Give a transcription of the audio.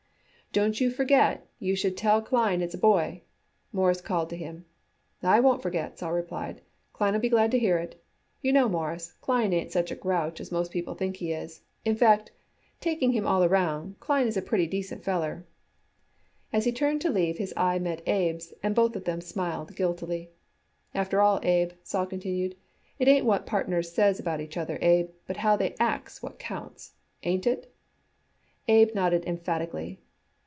"Don't forget you should tell Klein it's a boy," Morris called to him. "I wouldn't forget," Sol replied. "Klein'll be glad to hear it. You know, Mawruss, Klein ain't such a grouch as most people think he is. In fact, taking him all around, Klein is a pretty decent feller." As he turned to leave, his eye met Abe's, and both of them smiled guiltily. "After all, Abe," Sol concluded, "it ain't what partners says about each other, Abe, but how they acts which counts. Ain't it?" Abe nodded emphatically.